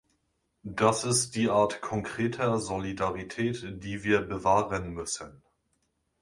Das ist die Art konkreter Solidarität, die wir bewahren müssen.